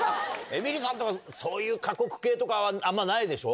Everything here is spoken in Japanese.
エミリさんとか、そういう過酷系とかはあんまないでしょ。